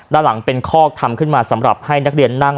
ด้านหลังเป็นคอกทำขึ้นมาสำหรับให้นักเรียนนั่ง